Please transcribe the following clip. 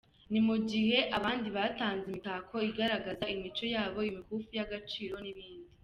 Ni mu gihe abandi batanze imitako igaragaza imico yabo, imikufi y’agaciro n’ibindi.